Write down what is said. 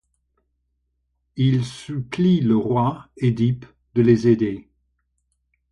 Ils supplient le roi, Œdipe, de les aider.